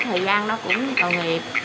thời gian nó cũng tội nghiệp